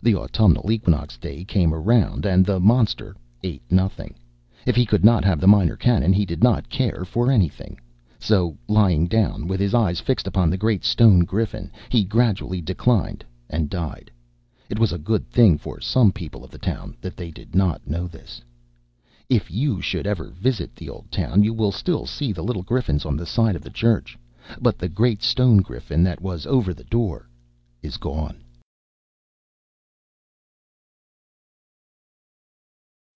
The autumnal equinox day came round, and the monster ate nothing. If he could not have the Minor Canon, he did not care for any thing. So, lying down, with his eyes fixed upon the great stone griffin, he gradually declined, and died. It was a good thing for some people of the town that they did not know this. If you should ever visit the old town, you would still see the little griffins on the sides of the church; but the great stone griffin that was over the door is gone.